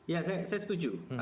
ya saya setuju